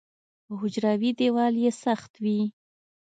حجروي دیوال یې سخت وي.